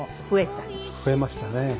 増えましたね。